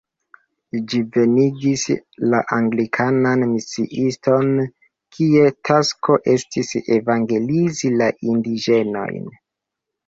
Ĝi venigis la anglikanan misiiston, kies tasko estis evangelizi la indiĝenojn.